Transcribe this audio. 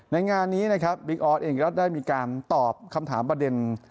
งานนี้นะครับบิ๊กออสเองก็ได้มีการตอบคำถามประเด็น